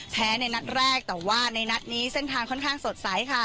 ในนัดแรกแต่ว่าในนัดนี้เส้นทางค่อนข้างสดใสค่ะ